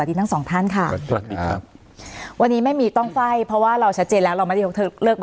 สนับสนุนโดยพี่โพเพี่ยวสะอาดใสไร้คราบ